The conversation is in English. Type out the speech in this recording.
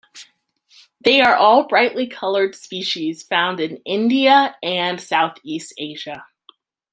They are all brightly coloured species found in India and southeast Asia.